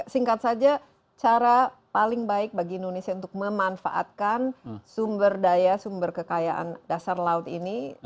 singkat saja cara paling baik bagi indonesia untuk memanfaatkan sumber daya sumber kekayaan dasar laut ini